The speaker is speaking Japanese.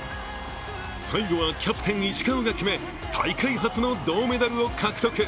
最後はキャプテン・石川が決め大会初のメダルを獲得。